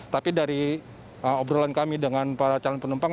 tapi dari obrolan kami dengan para calon penumpang